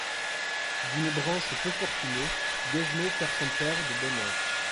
D'une branche peu fortunée, Guezno perd son père de bonne heure.